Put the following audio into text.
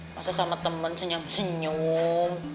masa sama teman senyum senyum